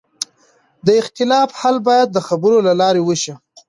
د اختلاف حل باید د خبرو له لارې وشي